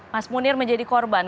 mas munir menjadi korban